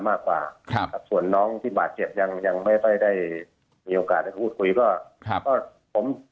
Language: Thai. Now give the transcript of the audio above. มากกว่าส่วนน้องที่บาดเจ็บยังไม่ได้มีโอกาสพูดคุยก็ผม